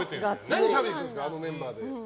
何食べてるんですかあのメンバーで。